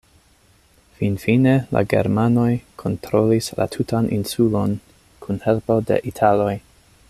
Finfine la germanoj kontrolis la tutan insulon kun helpo de italoj.